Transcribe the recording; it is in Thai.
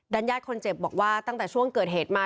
ญาติคนเจ็บบอกว่าตั้งแต่ช่วงเกิดเหตุมา